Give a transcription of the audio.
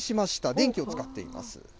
電気を使っています。